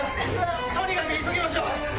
とにかく急ぎましょう。